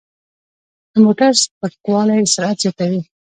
د موټر سپکوالی سرعت زیاتوي.